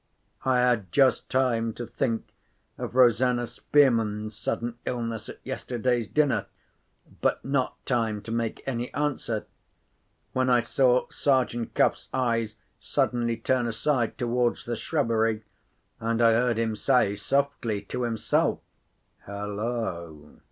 I had just time to think of Rosanna Spearman's sudden illness at yesterday's dinner—but not time to make any answer—when I saw Sergeant Cuff's eyes suddenly turn aside towards the shrubbery; and I heard him say softly to himself, "Hullo!"